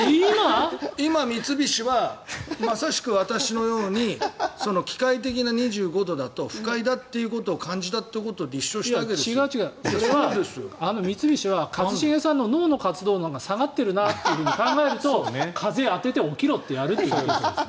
今、三菱はまさしく私のように機械的な２５度だと不快だっていうことを感じたってことを違う、違う、それは三菱は一茂さんの脳の活動が下がってるなと考えると、風を当てて起きろってやるってことですよ。